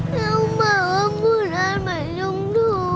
nhưng mà con muốn ăn bánh trung thu